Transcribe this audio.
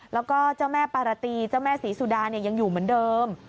แล้วก็เจ้าแม่ปารตีเจ้าแม่ศรีสุดายังอยู่เหมือนเดิม